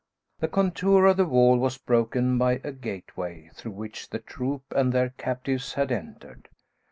The contour of the wall was broken by a gateway, through which the troop and their captives had entered.